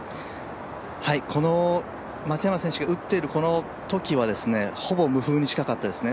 松山選手が打っているこのときはほぼ無風に近かったですね。